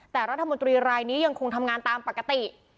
แต่รัฐมนตรีรายนี้ยังคงทำงานตามปกติ